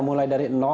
mulai dari